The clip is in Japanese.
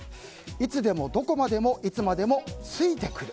いつでも、どこまでもいつまでもついてくる。